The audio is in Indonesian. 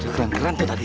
keren keren itu tadi